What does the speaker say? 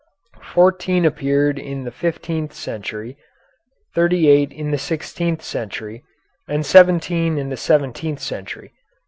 Fourteen appeared in the fifteenth century, thirty eight in the sixteenth century, and seventeen in the seventeenth century.